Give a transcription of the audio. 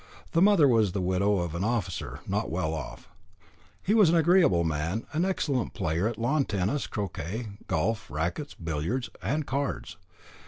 The mother was the widow of an officer, not well off. He was an agreeable man, an excellent player at lawn tennis, croquet, golf, rackets, billiards, and cards.